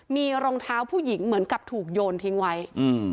มีรองเท้าผู้หญิงเหมือนกับถูกโยนทิ้งไว้อืม